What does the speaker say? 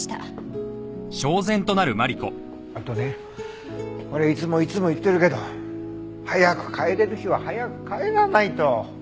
あとねこれいつもいつも言ってるけど早く帰れる日は早く帰らないと。